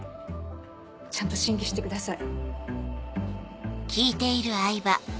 ちゃんと審議してください。